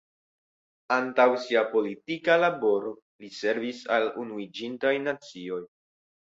Antaŭ sia politika laboro li servis al Unuiĝintaj Nacioj.